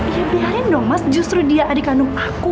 ya biarin dong mas justru dia adik kandung aku